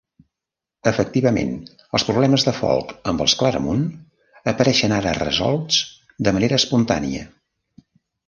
Efectivament, els problemes de Folc amb els Claramunt apareixen ara resolts de manera espontània.